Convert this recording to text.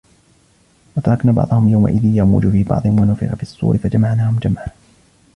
وَتَرَكْنَا بَعْضَهُمْ يَوْمَئِذٍ يَمُوجُ فِي بَعْضٍ وَنُفِخَ فِي الصُّورِ فَجَمَعْنَاهُمْ جَمْعًا